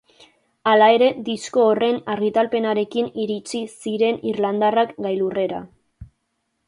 Hala ere, disko horren argitalpenarekin iritsi ziren irlandarrak gailurrera.